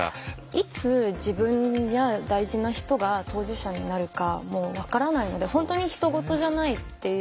いつ自分や大事な人が当事者になるかも分からないので本当にひと事じゃないっていう。